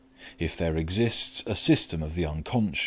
If there exists a system of the Unc.